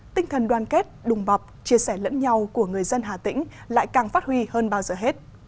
tinh thần đoàn kết đùng bọc chia sẻ lẫn nhau của người dân hà tĩnh lại càng phát huy hơn bao giờ hết